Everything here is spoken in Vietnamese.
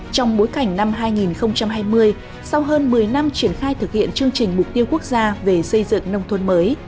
trong bối cảnh năm hai nghìn hai mươi sau hơn một mươi năm triển khai thực hiện chương trình mục tiêu quốc gia về xây dựng nông thôn mới